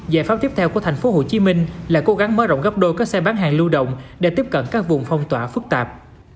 giải pháp tiếp theo của thành phố hồ chí minh là cố gắng mở rộng gấp đôi các xe bán hàng lưu động để tiếp cận các vùng phong tỏa phức tạp